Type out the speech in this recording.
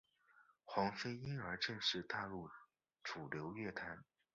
黄妃因而正式踏入主流乐坛。